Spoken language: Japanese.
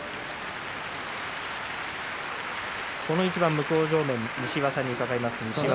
この一番、向正面西岩さんに伺います。